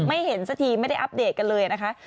เห็นสักทีไม่ได้อัปเดตกันเลยนะคะ